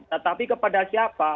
tetapi kepada siapa